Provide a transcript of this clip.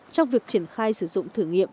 trong việc triển khai sử dụng thử nghiệm